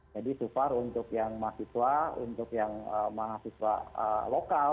jadi so far untuk yang mahasiswa untuk yang mahasiswa lokal